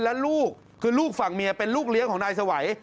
และลูกคือลูกฝั่งเมียเป็นลูกเลี้ยงของนายสวัย